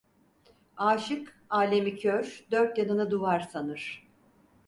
Aşık alemi kör, dört yanını duvar sanır.